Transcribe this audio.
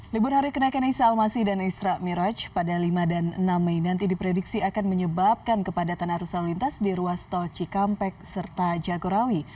libur hari kenaikan isa al masih dan isra miraj pada lima dan enam mei nanti diprediksi akan menyebabkan kepadatan arus lalu lintas di ruas tol cikampek serta jagorawi